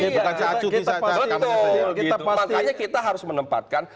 betul makanya kita harus menempatkan